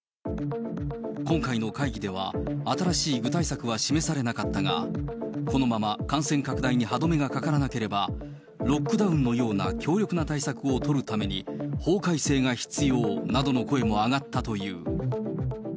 今回の会議では、新しい具体策は示されなかったが、このまま感染拡大に歯止めがかからなければ、ロックダウンのような強力な対策を取るために、法改正が必要などの声も上がったという。